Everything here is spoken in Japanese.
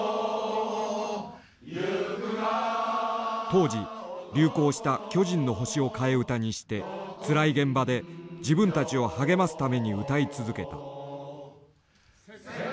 当時流行した「巨人の星」を替え歌にしてつらい現場で自分たちを励ますために歌い続けた。